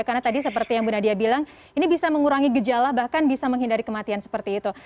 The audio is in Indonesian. karena tadi seperti yang bu nadia bilang ini bisa mengurangi gejala bahkan bisa menghindari kematian seperti itu